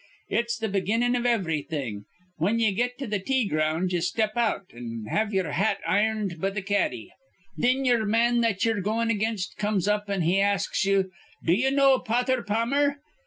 Its th' beginnin' iv ivrything. Whin ye get to th' tea grounds, ye step out, an' have ye're hat irned be th' caddie. Thin ye'er man that ye're goin' aginst comes up, an' he asks ye, 'Do you know Potther Pammer?'